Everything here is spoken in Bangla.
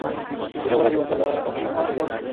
ঋণে ভরা জীবনে শালা কখনো চোখেই দেখলাম না।